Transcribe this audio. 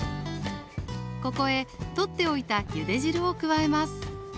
ここへとっておいたゆで汁を加えます